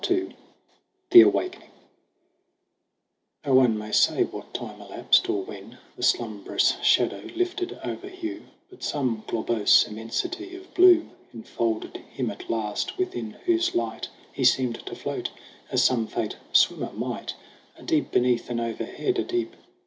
II THE AWAKENING No one may say what time elapsed, or when The slumberous shadow lifted over Hugh : But some globose immensity of blue Enfolded him at last, within whose light He seemed to float, as some faint swimmer might, A deep beneath and overhead a deep.